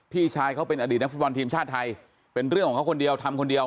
พี่ชายเขาเป็นอดีตนักฟุตบอลทีมชาติไทยเป็นเรื่องของเขาคนเดียวทำคนเดียว